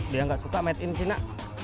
dia gak suka made in cina